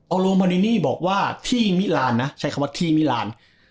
โลมาดินี่บอกว่าที่มิลานนะใช้คำว่าที่มิลาน